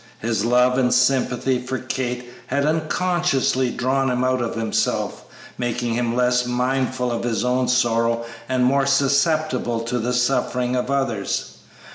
His love and sympathy for Kate had unconsciously drawn him out of himself, making him less mindful of his own sorrow and more susceptible to the sufferings of others.